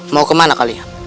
mau kemana kalian